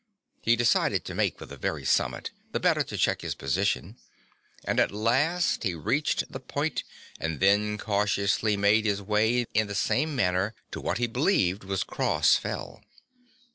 He decided to make for the very summit, the better to check his position, and at last he reached the point and then cautiously made his way in the same manner to what he believed was Cross Fell.